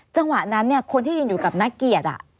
จังหวะนั้นคนที่ยืนอยู่กับนักเกียรติ